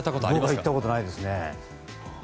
僕は行ったことないですね。